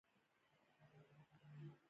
توت د پنجشیر او پروان عمده میوه ده